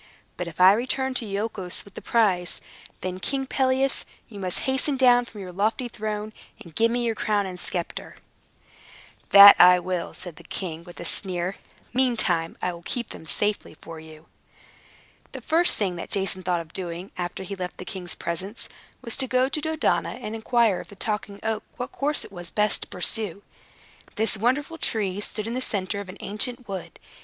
But if I return to Iolchos with the prize, then, King Pelias, you must hasten down from your lofty throne, and give me your crown and sceptre." "That I will," said the king, with a sneer. "Meantime, I will keep them very safely for you." The first thing that Jason thought of doing, after he left the king's presence, was to go to Dodona, and inquire of the Talking Oak what course it was best to pursue. This wonderful tree stood in the center of an ancient wood.